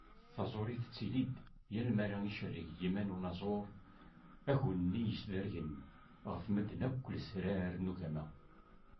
Taẓuri tettili-d yal mi ara icerreg yiman n unaẓur agu-nni yesdergen ɣef medden akk lesrar n ugama.